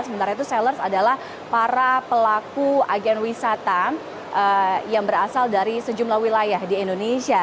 sementara itu sellers adalah para pelaku agen wisata yang berasal dari sejumlah wilayah di indonesia